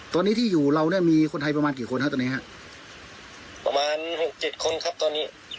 ตอนนี้ที่อยู่เราเนี่ยมีคนไทยประมาณกี่คนฮะตอนนี้ฮะประมาณหกเจ็ดคนครับตอนนี้